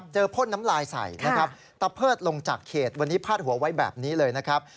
ตะเพิดลงจากเขตวันนี้พาดหัวไว้แบบนี้เลยนะครับ